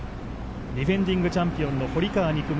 ディフェンディングチャンピオンの堀川未来